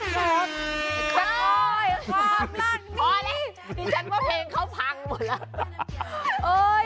พอนี่นี่ฉันว่าเพลงเขาพังหมดแล้ว